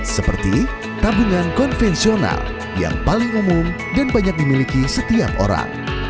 seperti tabungan konvensional yang paling umum dan banyak dimiliki setiap orang